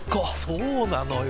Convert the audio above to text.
そうなのよ。